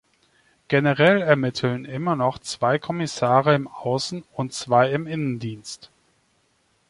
Generell ermitteln immer zwei Kommissare im Außen- und zwei im Innendienst.